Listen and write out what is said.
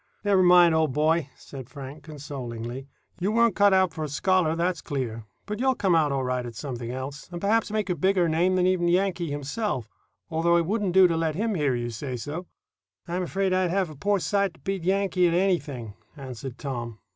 "Never mind, old boy," said Frank, consolingly. "You weren't cut out for a scholar, that's clear; but you'll come out all right at something else, and perhaps make a bigger name than even 'Yankee' himself, although it wouldn't do to let him hear you say so." "I'm 'fraid I'd have a poor sight to beat Yankee at anything," answered Tom.